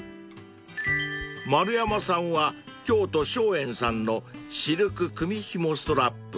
［丸山さんは京都昇苑さんのシルクくみひもストラップ］